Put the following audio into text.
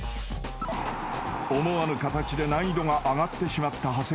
［思わぬ形で難易度が上がってしまった長谷川］